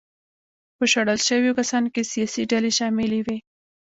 په شړل شویو کسانو کې سیاسي ډلې شاملې وې.